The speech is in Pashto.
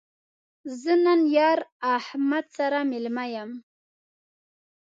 زه نن یار احمد سره مېلمه یم